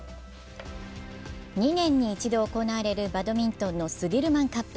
２年に１度行われるバドミントンのスディルマンカップ。